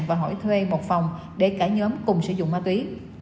và hỏi thuê một phòng để cả nhóm cùng sử dụng ma túy